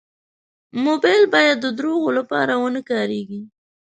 موبایل باید د دروغو لپاره و نه کارېږي.